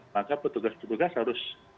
maka petugas petugas harus